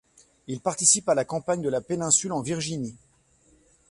Il participe à la campagne de la Péninsule en Virginie.